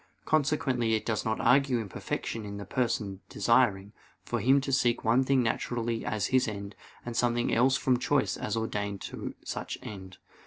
Consequently it does not argue imperfection in the person desiring, for him to seek one thing naturally as his end, and something else from choice as ordained to such end.